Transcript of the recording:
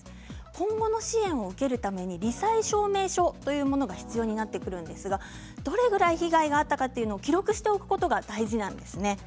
今後の支援を受けるためにり災証明書というものが必要になってくるんですがどれぐらい被害があったかというのを記録しておくことが大事なんですね。